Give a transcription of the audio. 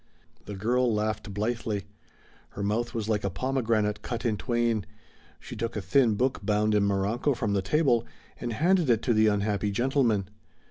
The girl laughed blithely. Her mouth was like a pomegranate cut in twain. She took a thin book bound in morocco from the table and handed it to the unhappy gentleman.